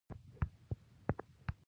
دا کار د وینې د دوران ستونزې لږې کړي.